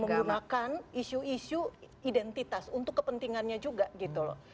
menggunakan isu isu identitas untuk kepentingannya juga gitu loh